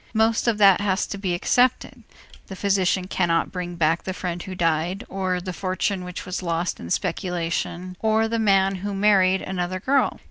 Most of that has to be accepted. The physician cannot bring back the friend who died or the fortune which was lost in speculation or the man who married another girl.